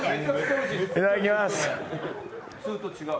いただきます。